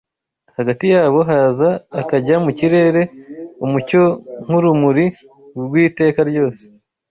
hagati yabo haza akajya mu kirere Umucyo nk'urumuri rw'iteka ryose,